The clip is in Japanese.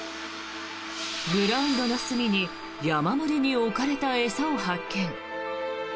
グラウンドの隅に山盛りに置かれた餌を発見。